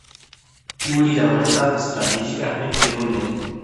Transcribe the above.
اوړي د افغانستان په ستراتیژیک اهمیت کې رول لري.